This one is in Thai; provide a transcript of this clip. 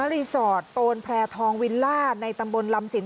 รีสอร์ทโตนแพร่ทองวิลล่าในตำบลลำสิน